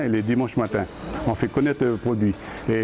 kita membuat mereka mengenali produk